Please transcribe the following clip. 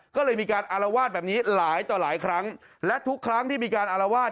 ก็เลยมีการอารวาสแบบนี้หลายต่อหลายครั้งและทุกครั้งที่มีการอารวาส